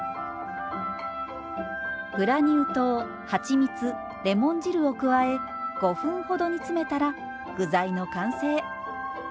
グラニュー糖はちみつレモン汁を加え５分ほど煮詰めたら具材の完成。